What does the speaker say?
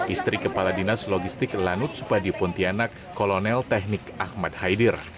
istri kepala dinas logistik lanut supadi pontianak kolonel teknik ahmad haidir